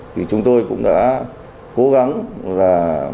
thì chúng tôi cũng đã cố gắng là